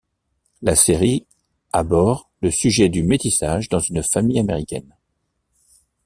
La série abord le sujet du métissage dans une famille américaine.